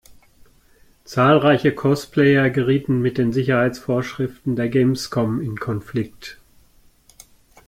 Zahlreiche Cosplayer gerieten mit den Sicherheitsvorschriften der Gamescom in Konflikt.